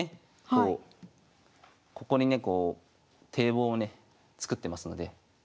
こうここにねこう堤防をね作ってますので。